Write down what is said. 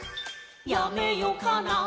「やめよかな」